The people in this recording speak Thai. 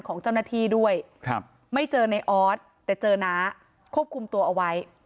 ของเจ้าหน้าที่ด้วยไม่เจอในออสแต่เจอน้าควบคุมตัวเอาไว้